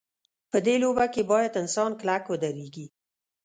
په دې لوبه کې باید انسان کلک ودرېږي.